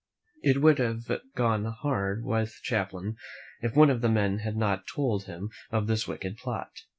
It would have gone hard with Champlain if one of the men had not told him of this wicked plot.